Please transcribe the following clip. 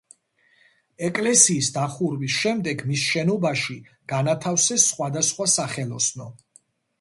ეკლესიის დახურვის შემდეგ მის შენობაში განათავსეს სხვადასხვა სახელოსნო.